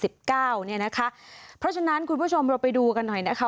เพราะฉะนั้นคุณผู้ชมเราไปดูกันหน่อยนะคะ